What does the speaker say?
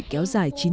kéo dài thêm